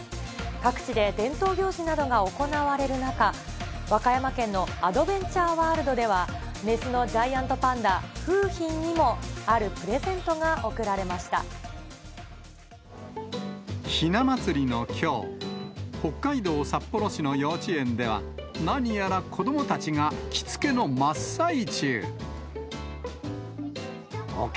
各地で伝統行事などが行われる中、和歌山県のアドベンチャーワールドでは、雌のジャイアントパンダ、楓浜にも、ひな祭りのきょう、北海道札幌市の幼稚園では、何やら子どもたちが着付けの真っ最中。